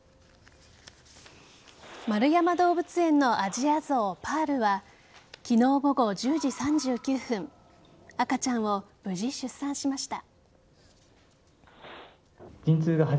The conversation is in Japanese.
円山動物園のアジアゾウパールは昨日午後１０時３９分赤ちゃんを無事、出産しました。